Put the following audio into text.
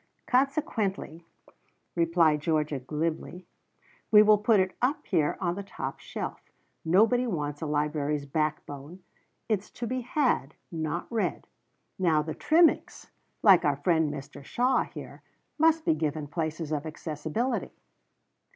"Consequently," replied Georgia glibly, "we will put it up here on the top shelf. Nobody wants a library's backbone. It's to be had, not read. Now the trimmings, like our friend Mr. Shaw here, must be given places of accessibility."